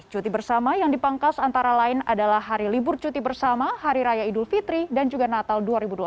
cuti bersama yang dipangkas antara lain adalah hari libur cuti bersama hari raya idul fitri dan juga natal dua ribu dua puluh